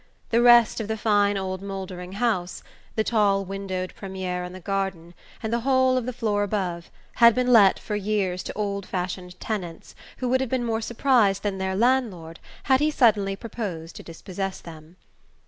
The rest of the fine old mouldering house the tall windowed premier on the garden, and the whole of the floor above had been let for years to old fashioned tenants who would have been more surprised than their landlord had he suddenly proposed to dispossess them.